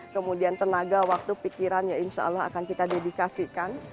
kemudian tenaga waktu pikiran ya insya allah akan kita dedikasikan